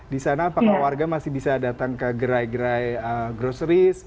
di sana apakah warga masih bisa datang ke gerai gerai groceris